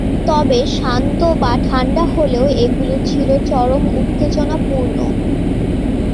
তবে শান্ত বা ঠাণ্ডা হলেও এগুলো ছিল চরম উত্তেজনাপূর্ণ।